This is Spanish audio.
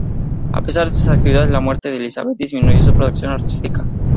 A pesar de estas actividades, la muerte de Elizabeth disminuyó su producción artística.